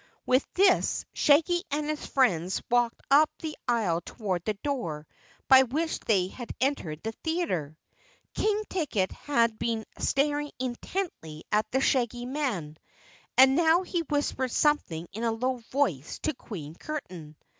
With this, Shaggy and his friends walked up the aisle toward the door by which they had entered the theater. King Ticket had been staring intently at the Shaggy Man and now he whispered something in a low voice to Queen Curtain.